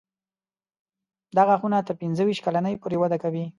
دا غاښونه تر پنځه ویشت کلنۍ پورې وده کوي.